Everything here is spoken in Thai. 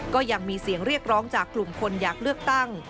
ก็ยังมีเสียงเรียกร้องจากกลุ่มคนอยากเลือกตั้ง